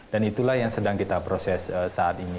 dan itulah yang sedang kita proses saat ini